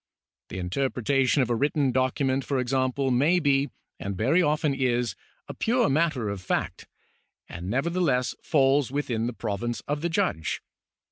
The interpretation of a written document, for example, may be, and very often is, a pure matter of fact, and nevertheless falls within the province of the judge.